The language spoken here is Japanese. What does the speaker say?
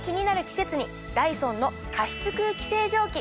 季節にダイソンの加湿空気清浄機。